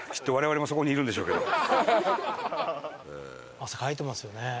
「汗かいてますよね」